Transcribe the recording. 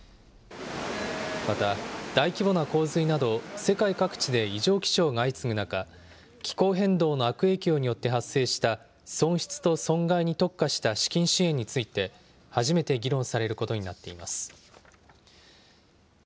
また、大規模な洪水など、世界各地で異常気象が相次ぐ中、気候変動の悪影響によって発生した損失と損害に特化した資金支援について、初めて議論されることになっています。